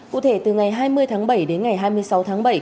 cụ thể từ ngày hai mươi tháng bảy đến ngày hai mươi sáu tháng bảy